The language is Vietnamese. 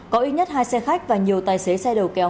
có ít nhất hai xe khách và nhiều tài xế xe đầu kéo